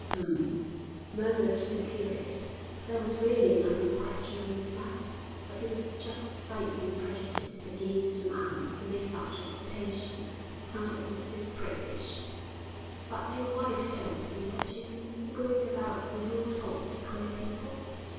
'Hum!' murmured the curate; there was really nothing questionable in that, but he was just slightly prejudiced against a man who made such a quotation; it sounded a little priggish. 'But your wife tells me that you've been going about with all sorts of queer people?'